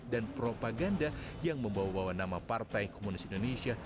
dan propaganda yang membawa bawa nama partai komunis indonesia